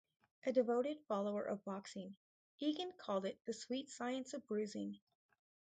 A devoted follower of boxing, Egan called it The Sweet Science of Bruising.